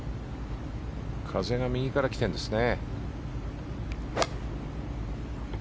風が右からきてるんですね。